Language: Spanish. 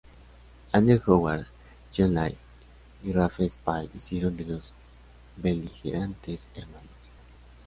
Andrew Howard, John Light, y Rafe Spall hicieron de los beligerantes hermanos.